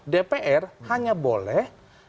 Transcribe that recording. dpr hanya boleh